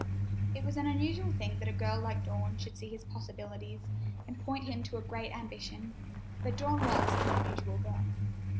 It was an unusual thing that a girl like Dawn should see his possibilities and point him to a great ambition, but Dawn was an unusual girl.